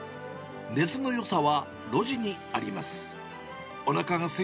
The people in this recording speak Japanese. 根津のよさは路地にあります。